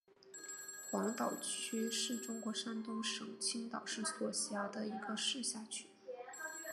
黄岛区是中国山东省青岛市所辖的一个市辖区。